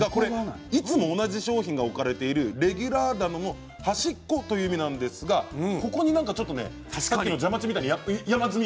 いつも同じ商品が置かれているレギュラー棚の端っこという意味なんですがここにちょっと確かにジャマチンみたいに山積み。